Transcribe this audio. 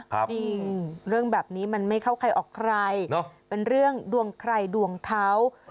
จริงเรื่องแบบนี้มันไม่เข้าใครออกใครเนอะเป็นเรื่องดวงใครดวงเท้า